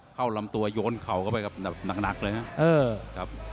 เข้าลำตัวยโยนเข่ากลับไปกับหนักเลยนะครับ